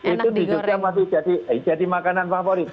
itu hidupnya masih jadi makanan favorit